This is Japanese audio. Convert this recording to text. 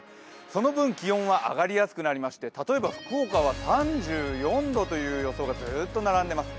その分、気温は上がりやすくなりまして例えば福岡は３４度という予想がずっと並んでいます。